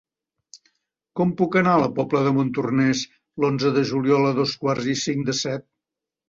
Com puc anar a la Pobla de Montornès l'onze de juliol a dos quarts i cinc de set?